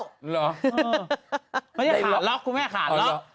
ไม่ใช่ขาดล็อกคุณแม่ขาดล็อก